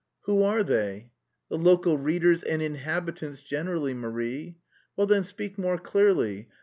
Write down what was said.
"Who are they?" "The local readers and inhabitants generally, Marie." "Well, then, speak more clearly.